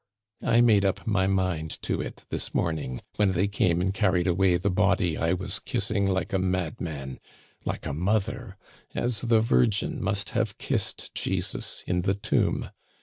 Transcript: I made up my mind to it this morning when they came and carried away the body I was kissing like a madman like a mother as the Virgin must have kissed Jesus in the tomb.